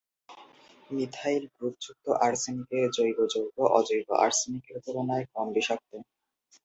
Methyl গ্রুপযুক্ত আর্সেনিকের জৈব যৌগ অজৈব আর্সেনিকের তুলনায় কম বিষাক্ত।